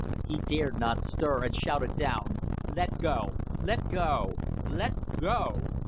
He dared not stir, and shouted down "Let go! Let go! Let go!"